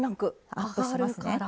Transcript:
アップしますね。